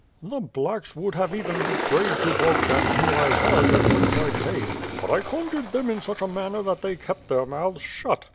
"The T)lacks' would have even betrayed to Bogdan who I was and whence I came; but I conjured them in such a manner that they kept their mouths shut.